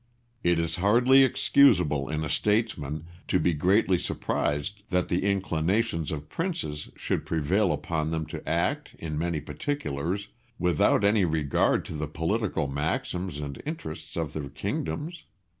It is hardly excusable in a statesman to be greatly surprised that the inclinations of princes should prevail upon them to act, in many particulars, without any regard to the political maxims and interests of their kingdoms.